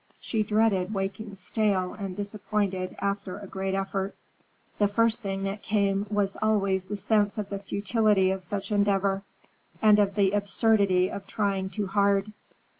She dreaded waking stale and disappointed after a great effort. The first thing that came was always the sense of the futility of such endeavor, and of the absurdity of trying too hard.